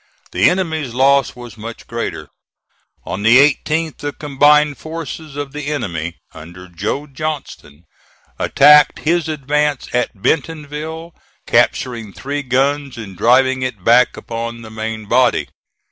The enemy's loss was much greater. On the 18th the combined forces of the enemy, under Joe Johnston, attacked his advance at Bentonville, capturing three guns and driving it back upon the main body.